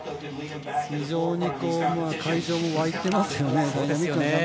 非常に会場も沸いていますよね。